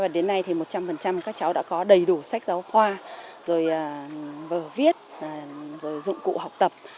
đến nay thì một trăm linh các cháu đã có đầy đủ sách giáo khoa viết rồi dụng cụ học tập